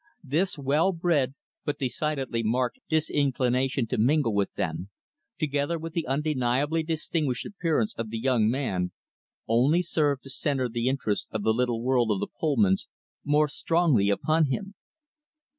This well bred but decidedly marked disinclination to mingle with them, together with the undeniably distinguished appearance of the young man, only served to center the interest of the little world of the Pullmans more strongly upon him.